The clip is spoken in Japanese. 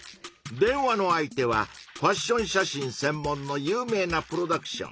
電話の相手はファッション写真せんもんの有名なプロダクション。